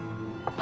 あ。